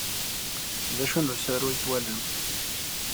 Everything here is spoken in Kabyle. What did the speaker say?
D acu n usaru ay twalamt?